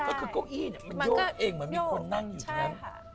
ก็คือก้องอี้มันโยกเองมันมีคนนั่งอยู่ทั้งนั้น